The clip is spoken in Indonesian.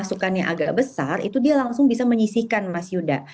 kalau ternyata pemasukan yang agak besar itu dia langsung bisa menyisihkan mas yuda